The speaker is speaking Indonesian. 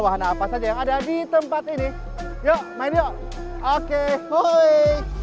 wahana apa saja yang ada di tempat ini yuk main yuk oke